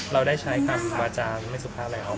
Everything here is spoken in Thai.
เราได้ใช้คำวาจารย์ไม่สุขภาพอะไรออกไหม